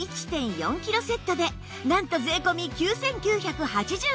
キロセットでなんと税込９９８０円